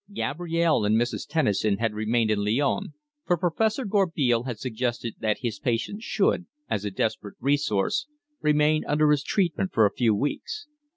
Gabrielle and Mrs. Tennison had remained in Lyons, for Professor Gourbeil had suggested that his patient should, as a desperate resource, remain under his treatment for a few weeks.